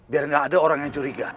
biar nggak ada orang yang curiga